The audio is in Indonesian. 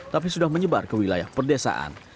tapi sudah menyebar ke wilayah perdesaan